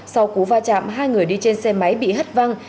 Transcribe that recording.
sau cú va chạm hai người đi trên xe máy bị hất văng